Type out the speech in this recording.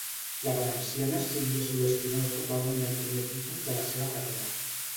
La valenciana Sílvia Soler Espinosa va guanyar el primer títol de la seva carrera.